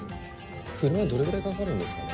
車でどれぐらいかかるんですかね。